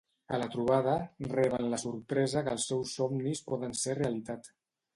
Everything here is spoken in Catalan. A la trobada, reben la sorpresa que els seus somnis poden ser realitat.